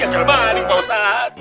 gagal badik pak ustadz